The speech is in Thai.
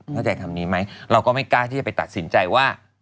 เข้าใจคำนี้ไหมเราก็ไม่กล้าที่จะไปตัดสินใจว่า